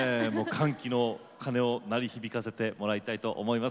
歓喜の鐘を鳴り響かせてもらいたいと思います。